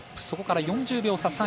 そこから４０秒差。